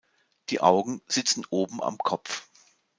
Die Augen sitzen oben am Kopf.